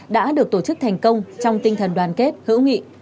đã được tổ chức thành công trong tinh thần đoàn kết hữu nghị